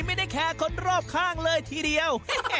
ไม่ได้แคร์คนรอบข้างเลยทีเดียว